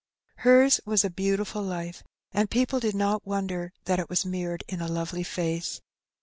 Hers was a beautiful life, and people did not wonder that it was mirrored in a lovely face.